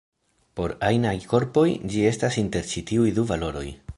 Por ajnaj korpoj ĝi estas inter ĉi tiuj du valoroj.